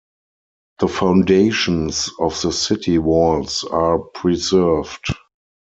The foundations of the city walls are preserved.